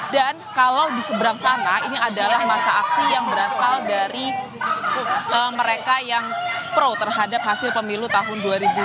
dan kalau di seberang sana ini adalah masa aksi yang berasal dari mereka yang pro terhadap hasil pemilu tahun dua ribu dua puluh empat